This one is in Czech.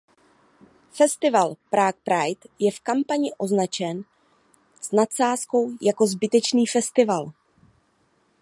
Festival Prague Pride je v kampani označen s nadsázkou jako „Zbytečný festival“.